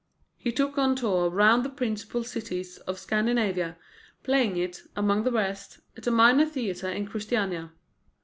He took it on tour round the principal cities of Scandinavia, playing it, among the rest, at a minor theatre in Christiania.